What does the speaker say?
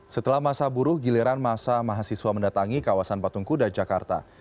setelah masa buruh giliran masa mahasiswa mendatangi kawasan patung kuda jakarta